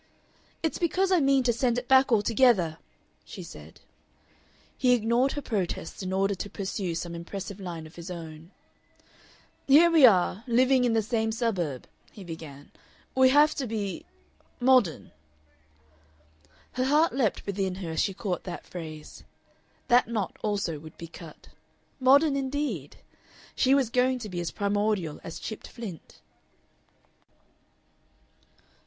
"It's because I mean to send it back altogether," she said. He ignored her protests in order to pursue some impressive line of his own. "Here we are, living in the same suburb," he began. "We have to be modern." Her heart leaped within her as she caught that phrase. That knot also would be cut. Modern, indeed! She was going to be as primordial as chipped flint.